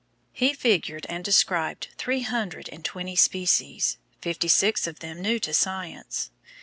He figured and described three hundred and twenty species, fifty six of them new to science.